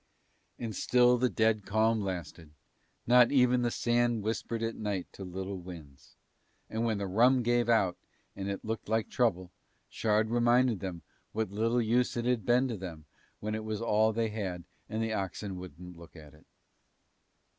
And still the dead calm lasted, not even the sand whispered at night to little winds; and when the rum gave out and it looked like trouble, Shard reminded them what little use it had been to them when it was all they had and the oxen wouldn't look at it.